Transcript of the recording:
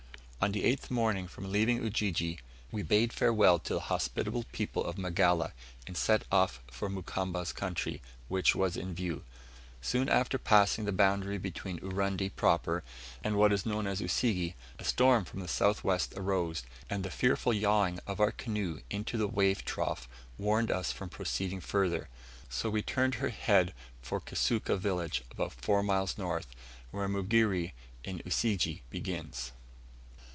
On the eighth morning from leaving Ujiji we bade farewell to the hospitable people of Magala, and set off for Mukamba's country, which was in view. Soon after passing the boundary between Urundi proper, and what is known as Usige, a storm from the south west arose; and the fearful yawing of our canoe into the wave trough warned us from proceeding further; so we turned her head for Kisuka village, about four miles north, where Mugere, in Usige, begins.